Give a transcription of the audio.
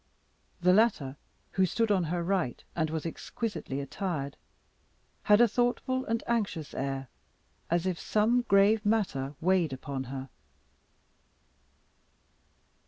The latter, who stood on her right hard, and was exquisitely attired, had a thoughtful and anxious air, as if some grave matter weighed upon her.